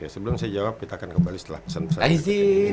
sebelum saya jawab kita akan kembali setelah pesan pesan izin